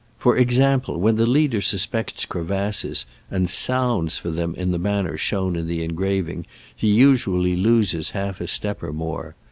About * For example, when the leader suspects crevasses, and sounds for them in the manner shown in the en graving, he usually loses half a step^ or more.